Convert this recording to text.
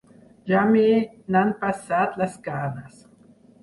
Ja me n'han passat les ganes.